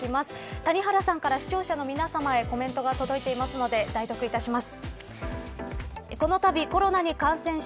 谷原さんから視聴者の皆さまへコメントが届いていますので代読いたします。